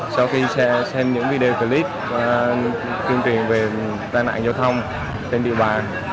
sau khi xem những video clip tuyên truyền về tai nạn giao thông trên địa bàn